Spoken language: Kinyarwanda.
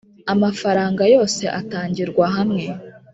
amafaranga yose atangirwa hamwe.